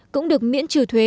cũng được miễn trừ thuế